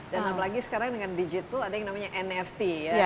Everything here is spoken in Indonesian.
dan apalagi sekarang dengan digital ada yang namanya nft